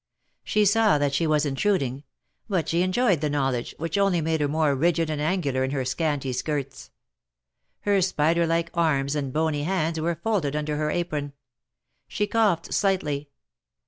She saw that she was intruding; but she enjoyed the knowledge, which only made her more rigid and angular in her scanty skirts. Her spider like arms and bony hands were folded under her apron. She coughed slightly.